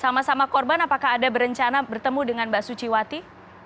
sama sama korban apakah ada berencana bertemu dengan mbak suciwati